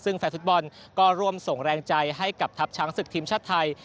ซึ่งแฟนฟุตบอลก็ร่วมส่งแรงใจให้กับทัพช้างศึกทีมชาติไทย